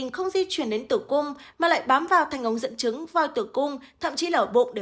không di chuyển đến tử cung mà lại bám vào thành ống dẫn trứng vòi tử cung thậm chí là ổ bụng để